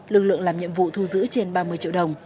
lực lượng làm nhiệm vụ thu giữ trên ba mươi triệu đồng